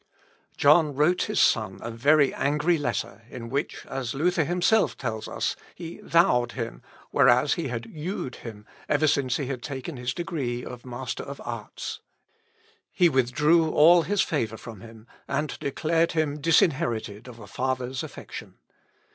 John wrote his son a very angry letter, in which, as Luther himself tells us, he thou'd him whereas he had you'd him ever since he had taken his degree of Master of Arts. He withdrew all his favour from him, and declared him disinherited of a father's affection.